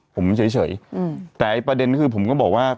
ผมเฉยแต่ประเด็นคือผมก็บอกว่า